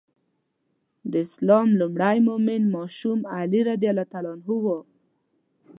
د اسلام لومړی مؤمن ماشوم علي رض و.